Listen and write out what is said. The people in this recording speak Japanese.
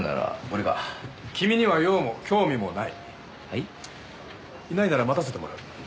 いないなら待たせてもらう。